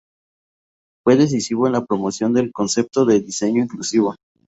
Fue decisivo en la promoción del concepto de diseño inclusivo.